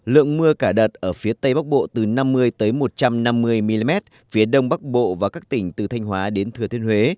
lượng mưa cả đợt ở phía tây bắc bộ từ năm mươi một trăm năm mươi mm phía đông bắc bộ và các tỉnh từ thanh hóa đến thừa thiên huế